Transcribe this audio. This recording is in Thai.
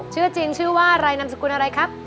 ชื่อจริงชื่อว่าอะไรนามสกุลอะไรครับ